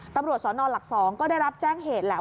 ตำรวจสนหลัก๒ก็ได้รับแจ้งเหตุแล้ว